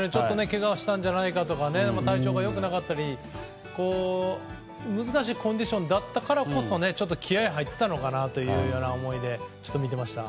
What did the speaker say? けがしたんじゃないかとか体調が良くなかったり難しいコンディションだったからこそ気合が入っていたのかなという思いで見てました。